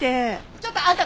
ちょっとあんた